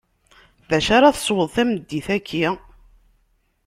Dacu ara tesweḍ tameddit-aki?